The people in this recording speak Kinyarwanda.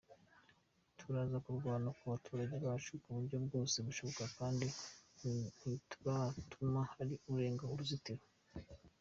Turaza kurwana ku baturage bacu mu buryo bwose bushoboka kandi ntituratuma hari urenga uruzitiro.”